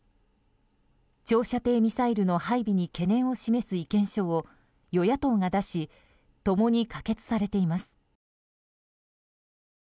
長射程ミサイルの配備に懸念を示す意見書を与野党が出し共に可決されています。